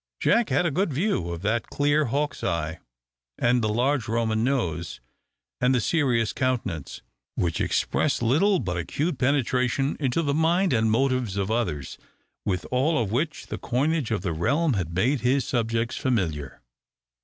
Jack had a good view of that clear hawk's eye, and the large Roman nose and the serious countenance, which expressed little but acute penetration into the mind and motives of others, with all of which the coinage of the realm had made his subjects familiar.